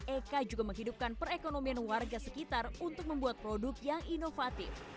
eka juga menghidupkan perekonomian warga sekitar untuk membuat produk yang inovatif